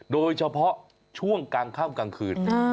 โดยเฉพาะช่วงกลางค่ำกลางคืน